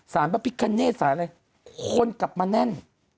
สานปปิกะเนศคนนึมกลับมาแน่น